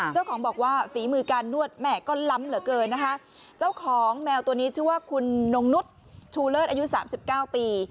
เจ้าของบอกว่าฝีมือการนวดแหม่ก็ล้ำเหลือเกินนะคะเจ้าของแมวตัวนี้ชื่อว่าคุณนงนุษย์ชูเลิศอายุสามสิบเก้าปี